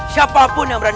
siapapun yang berani